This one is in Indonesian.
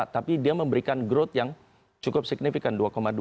tapi dia memberikan growth yang cukup signifikan dua dua